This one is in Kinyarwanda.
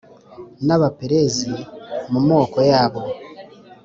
n’Abaperizi mu maboko yabo,